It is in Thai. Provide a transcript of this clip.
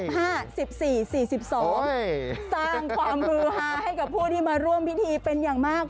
สร้างความรือฮาให้กับผู้ที่มาร่วมพิธีเป็นอย่างมาก